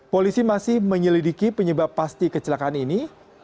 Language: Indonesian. polisi masih menyelidiki penyebab pasti kecelakaan ini